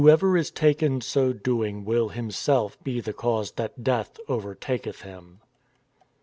WHOSO EVER IS TAKEN SO DOING WILL HIM SELF BE THE CAUSE THAT DEATH OVERTAKETH HIM.